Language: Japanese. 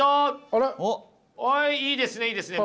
あっいいですねいいですね。